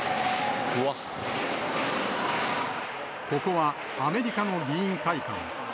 ここはアメリカの議員会館。